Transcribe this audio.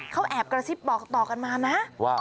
เขาแอบกระซิบบอกต่อกันมานะว่า